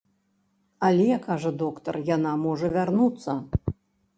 Але, кажа доктар, яна можа вярнуцца.